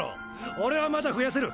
俺はまだ増やせる。